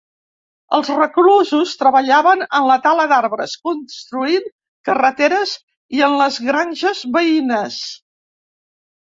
Els reclusos treballaven en la tala d'arbres, construint carreteres i en les granges veïnes.